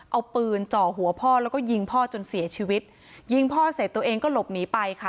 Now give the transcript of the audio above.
เอาปืนจ่อหัวพ่อแล้วก็ยิงพ่อจนเสียชีวิตยิงพ่อเสร็จตัวเองก็หลบหนีไปค่ะ